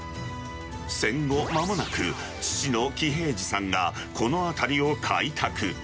戦後間もなく、父の喜平次さんがこの辺りを開拓。